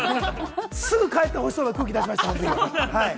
すぐ帰ってほしそうな空気出しました。